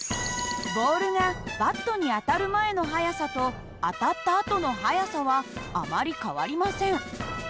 ボールがバットに当たる前の速さと当たったあとの速さはあまり変わりません。